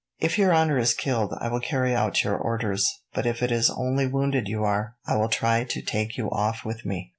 "If your honour is killed, I will carry out your orders, but if it is only wounded you are, I will try to take you off with me."